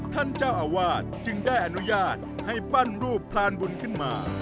ท่านเจ้าอาวาสจึงได้อนุญาตให้ปั้นรูปพรานบุญขึ้นมา